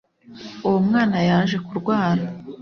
uwo mwana yaje kurwara